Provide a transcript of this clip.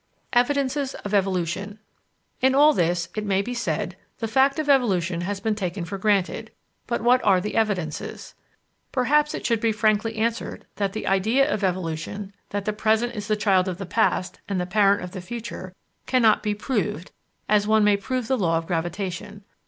Evidences of Evolution In all this, it may be said, the fact of evolution has been taken for granted, but what are the evidences? Perhaps it should be frankly answered that the idea of evolution, that the present is the child of the past and the parent of the future, cannot be proved as one may prove the Law of Gravitation.